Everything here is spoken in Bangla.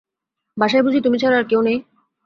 বাসায় বুঝি তুমি ছাড়া আর কেউ নেই।